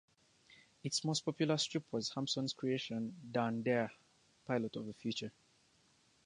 Its most popular strip was Hampson's creation "Dan Dare, Pilot of the Future".